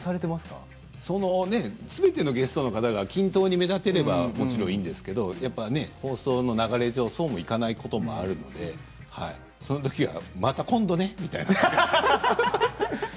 すべてのゲストの方が均等に見立てればもちろんいいんですけど放送の流れ上、そうもいかないことがあるのでその時はまた今度ね、と。